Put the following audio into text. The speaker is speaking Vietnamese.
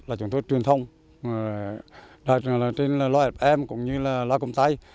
là chúng tôi truyền thông trên loại fm cũng như là loại công tay